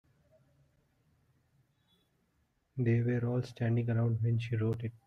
They were all standing around when she wrote it.